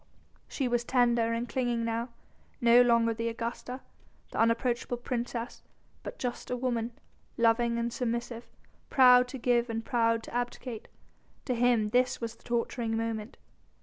She was tender and clinging now, no longer the Augusta, the unapproachable princess but just a woman, loving and submissive, proud to give and proud to abdicate. To him this was the torturing moment.